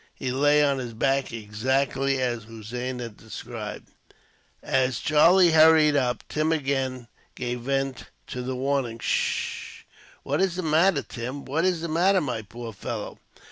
He lay on his back, exactly as Hossein had described. As Charlie hurried up, Tim again gave vent to the warning "S s s h." "What is the matter, Tim? What is the matter, my poor fellow?"